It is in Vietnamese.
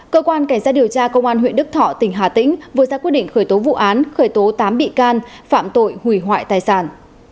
cơ quan cảnh sát điều tra công an huyện đức thọ tỉnh hà tĩnh vừa ra quyết định khởi tố vụ án khởi tố tám bị can phạm tội hủy hoại tài sản